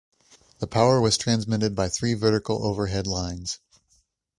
The power was transmitted by three vertical overhead lines.